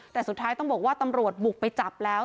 แต่สุดท้ายต้องบอกว่าตำรวจบุกไปจับแล้ว